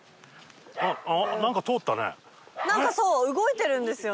なんかそう動いてるんですよね。